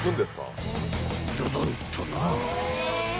［ドドンとな］